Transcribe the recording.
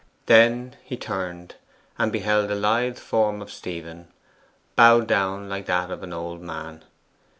Then he turned, and beheld the lithe form of Stephen bowed down like that of an old man.